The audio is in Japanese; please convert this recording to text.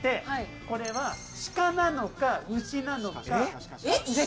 これは鹿なのか牛なのか。